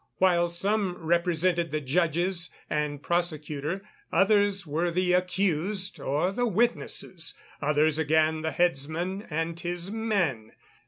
While some represented the judges and prosecutor, others were the accused or the witnesses, others again the headsman and his men.